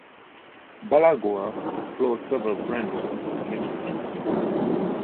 Balaguer explored several branches of literature.